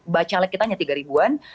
bacalek kita hanya tiga ribuan